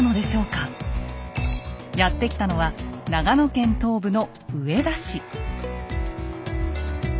やって来たのは長野県東部の上田市。